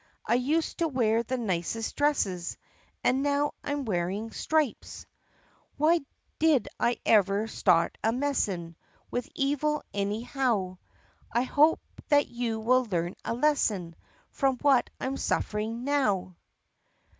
I used to wear the nicest dresses And now I 'm wearing stripes. IOO THE PUSSYCAT PRINCESS 101 "Why did I ever start a messin' With evil anyhow? I hope that you will learn a lesson From what I'm suffering now!"